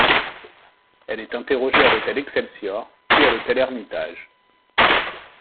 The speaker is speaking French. Elle est interrogée à l'hôtel Excelsior puis a l'hôtel Hermitage.